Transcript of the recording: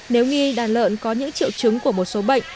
nếu nghi đàn lợn có những triệu chứng của một số bệnh